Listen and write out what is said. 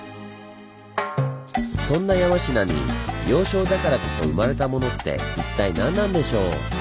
そんな山科に要衝だからこそ生まれたものって一体何なんでしょう？